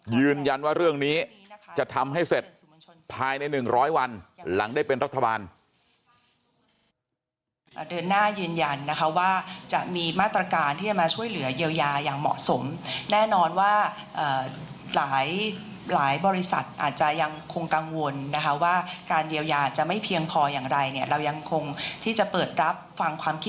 ยืนยันว่าเรื่องนี้จะทำให้เสร็จภายใน๑๐๐วันหลังได้เป็นรัฐบาล